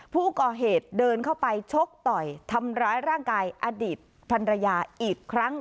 ผู้ก่อเหตุเดินเข้าไปชกต่อยทำร้ายร่างกายอดีตพันรยาอีกครั้ง